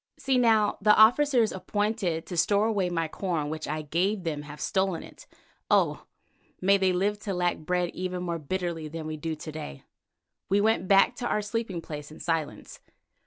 "See now, the officers appointed to store away my corn which I gave them have stolen it! Oh! may they live to lack bread even more bitterly than we do to day." We went back to our sleeping place in silence.